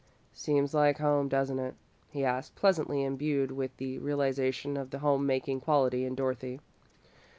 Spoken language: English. "Seems like home, doesn't it?" he asked, pleasantly imbued with the realisation of the home making quality in Dorothy.